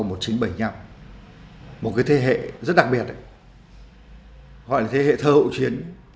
một nghìn thế hệ rất đặc biệt gọi là thế hệ thơ hậu chiến